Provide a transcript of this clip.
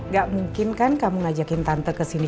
gak mungkin kan kamu ngajakin tante kesini